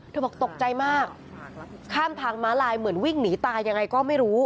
บอกตกใจมากข้ามทางม้าลายเหมือนวิ่งหนีตายยังไงก็ไม่รู้